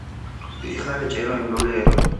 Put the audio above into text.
იხარე, ჭერო, იმრავლე, ერო!